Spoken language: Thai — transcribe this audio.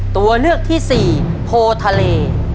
ตัวเลือกที่สี่โพทะเล